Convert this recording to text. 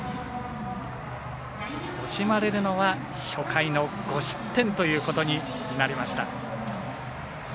惜しまれるのは初回の５失点ということになりました。